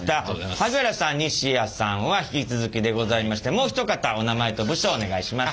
萩原さん西谷さんは引き続きでございましてもう一方お名前と部署をお願いします。